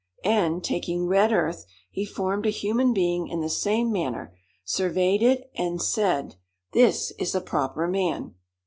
And, taking red earth, he formed a human being in the same manner, surveyed it and said, 'This is a proper man!